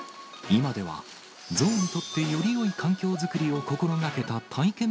今ではゾウにとってよりよい環境作りを心がけた体験